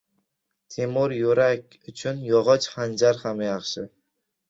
• Temir yurak uchun yog‘och hanjar ham yaxshi.